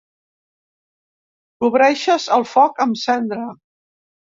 Cobreixes el foc amb cendra.